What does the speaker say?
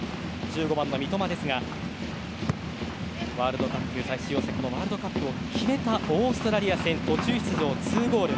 ワールドカップ最終予選でワールドカップを決めたオーストラリア戦途中出場で２ゴール。